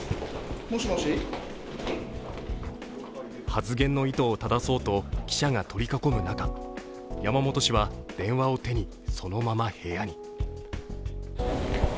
発言の意図をただそうと記者が取り囲む中、山本氏は電話を手に、そのまま部屋に。